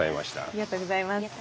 ありがとうございます。